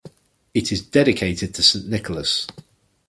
It is dedicated to Saint Nicholas.